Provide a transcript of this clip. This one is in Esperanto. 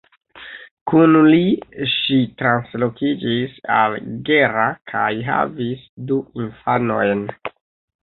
Kun li ŝi translokiĝis al Gera kaj havis du infanojn.